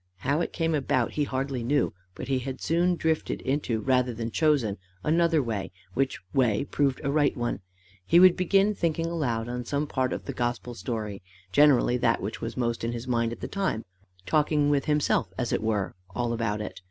How it came about he hardly knew, but he had soon drifted into rather than chosen another way, which way proved a right one: he would begin thinking aloud on some part of the gospel story, generally that which was most in his mind at the time talking with himself, as it were, all about it.